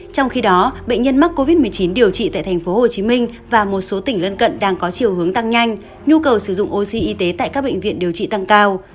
trong khi đó bệnh nhân mắc covid một mươi chín điều trị tại tp hcm và một số tỉnh lân cận đang có chiều hướng tăng nhanh nhu cầu sử dụng oxy y tế tại các bệnh viện điều trị tăng cao